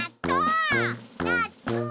なっとう！